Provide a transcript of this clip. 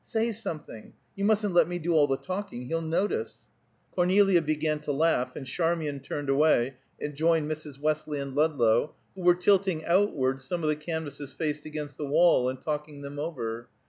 Say something! You mustn't let me do all the talking; he'll notice." Cornelia began to laugh, and Charmian turned away and joined Mrs. Westley and Ludlow, who were tilting outward some of the canvasses faced against the wall, and talking them over.